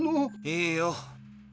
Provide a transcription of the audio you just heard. いいよ。